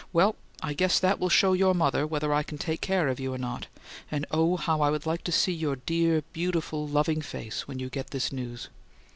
Well, I guess that will show your mother whether I can take care of you or not. And oh how I would like to see your dear, beautiful, loving face when you get this news.